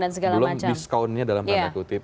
dan segala macam belum discountnya dalam tanda kutip